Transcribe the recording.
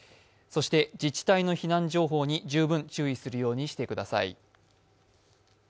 そして自治体の避難情報に十分注意するようにしてください。